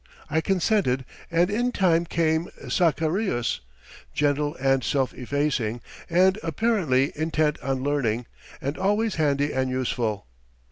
I consented, and in time came Sacarius, gentle and self effacing, and apparently intent on learning, and always handy and useful.